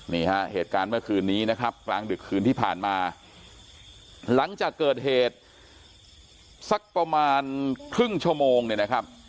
เหตุการณ์เมื่อคืนนี้นะครับกลางดึกคืนที่ผ่านมาหลังจากเกิดเหตุสักประมาณครึ่งชั่วโมงเนี่ยนะครับ